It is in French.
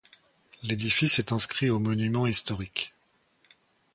L'édifice est inscrit aux Monuments Historiques.